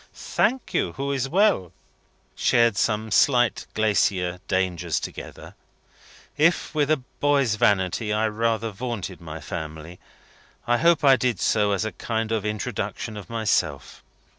"Thank you. Who is well." " Shared some slight glacier dangers together. If, with a boy's vanity, I rather vaunted my family, I hope I did so as a kind of introduction of myself.